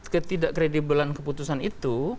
ketidak kredibelan keputusan itu